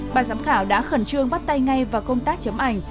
ban giám khảo đã khẩn trương bắt tay ngay vào công tác chấm ảnh